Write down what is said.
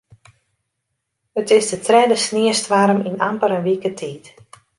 It is de tredde sniestoarm yn amper in wike tiid.